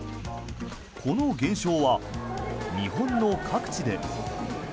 この現象は日本の各地で。